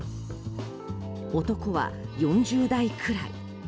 男は４０代くらい。